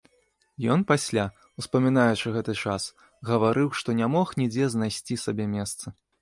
Ён пасля, успамінаючы гэты час, гаварыў, што не мог нідзе знайсці сабе месца.